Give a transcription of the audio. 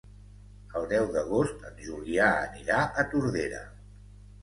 El deu d'agost en Julià anirà a Tordera.